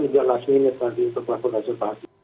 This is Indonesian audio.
untuk last minute lagi untuk melakukan reservasi